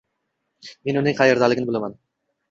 Men uning qaerdaligini bilaman